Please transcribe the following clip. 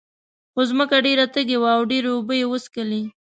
خو ځمکه ډېره تږې وه او ډېرې اوبه یې وڅکلې.